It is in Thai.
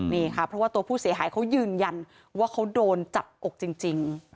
นี่ค่ะเพราะว่าตัวผู้เสียหายเขายืนยันว่าเขาโดนจับอกจริง